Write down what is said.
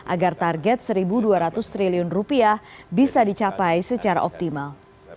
agar target rp satu dua ratus triliun rupiah bisa dicapai secara optimal